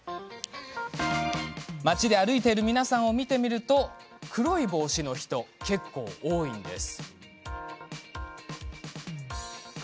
街で歩いている女性たちを見てみると黒い帽子の人結構、多いんです。